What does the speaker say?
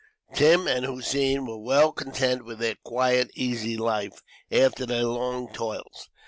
Tim and Hossein were well content with their quiet, easy life, after their long toils.